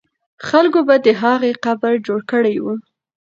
خلکو به د هغې قبر جوړ کړی وي.